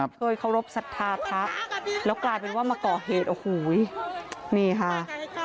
เคยเคารพสัทธาพระแล้วกลายเป็นว่ามาก่อเหตุโอ้โหนี่ค่ะ